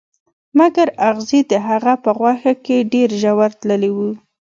مګر اغزي د هغه په غوښه کې ډیر ژور تللي وو